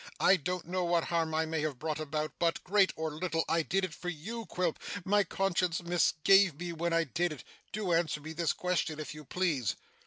I don't know what harm I may have brought about, but, great or little, I did it for you, Quilp. My conscience misgave me when I did it. Do answer me this question, if you please?